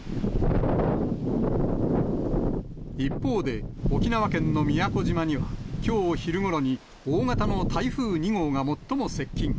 一方で、沖縄県の宮古島には、きょう昼ごろに大型の台風２号が最も接近。